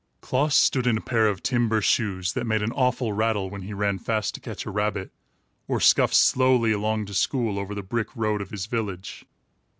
Klaas stood in a pair of timber shoes, that made an awful rattle when he ran fast to catch a rabbit, or scuffed slowly along to school over the brick road of his village.